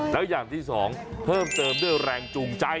แล้วอย่างที่สองเพิ่มเติมด้วยแรงจูงใจ